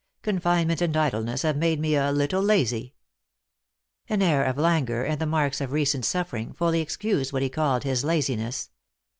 Confinement and idle ness have made me a little lazy." An air of languor, and the marks of recent suffer ing, fully excused what he called his laziness.